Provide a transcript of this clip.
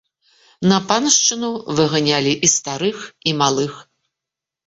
На паншчыну выганялі і старых і малых.